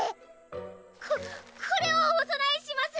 ここれをおそなえします！